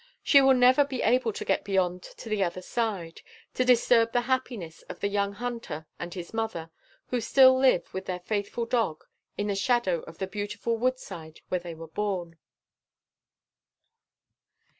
She will never be able to get beyond to the other side, to disturb the happiness of the young hunter and his mother, who still live, with their faithful dog, in the shadow of the beautiful wood side where they were born.